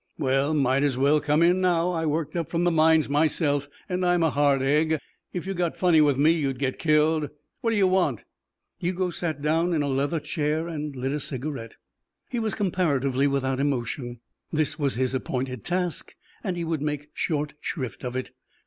"Well, might as well come in now. I worked up from the mines myself, and I'm a hard egg. If you got funny with me, you'd get killed. Wha' daya want?" Hugo sat down in a leather chair and lit a cigarette. He was comparatively without emotion. This was his appointed task and he would make short shrift of it.